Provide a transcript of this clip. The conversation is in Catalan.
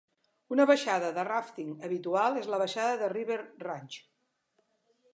Una baixada de ràfting habitual és la baixada de River Ranch.